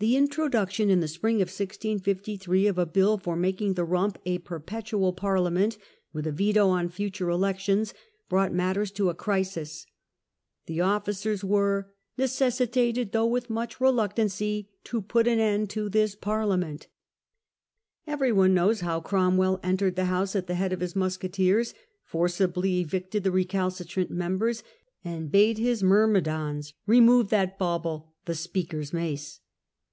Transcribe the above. The introduction in the spring of 1653 of a bill for making the "Rump" a per petual Parliament, with a veto on future elections, brought matters to a crisis. The officers were "necessi cromweii tated, though with much reluctancy, to put dissolves the an end to this Parliament". Everyone knows "^""*p • how Cromwell entered the House at the head of his musketeers, forcibly evicted the recalcitrant members, and bade his myrmidons "remove that bauble", the Speaker's mace.